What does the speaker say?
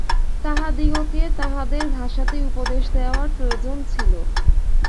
তাহাদিগকে তাহাদের ভাষাতেই উপদেশ দেওয়ার প্রয়োজন ছিল।